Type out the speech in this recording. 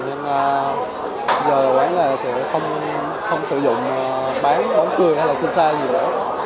nên giờ quán này thì không sử dụng bán bóng cười hay là xì xa gì nữa